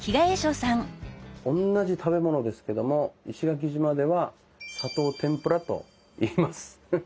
おんなじ食べ物ですけども石垣島では「砂糖てんぷら」といいます。